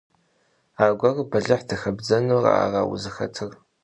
Аргуэру бэлыхь дыхэбдзэну ара узыхэтыр?